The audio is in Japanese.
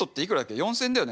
４，０００円だよね。